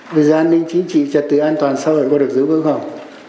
bây giờ an ninh chính trị trật tự an toàn xã hội có được giữ vững không